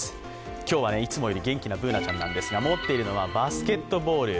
今日はいつもより元気なＢｏｏｎａちゃんなんですが持っているのはバスケットボール。